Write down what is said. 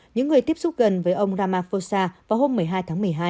những người tiếp xúc gần với ông ramaphosa vào hôm một mươi hai tháng một mươi hai